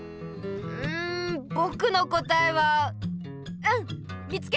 うんぼくのこたえはうん見つけた！